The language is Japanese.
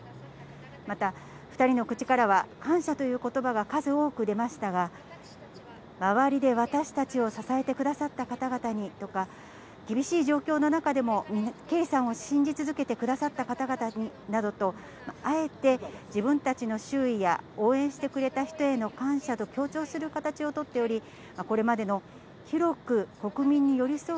また、２人の口からは、感謝ということばが数多く出ましたが、周りで私たちを支えてくださった方々にとか、厳しい状況の中でも圭さんを信じ続けてくださった方々など、あえて自分たちの周囲や応援してくれた人への感謝を強調する形を取っており、これまでの広く国民に寄り添う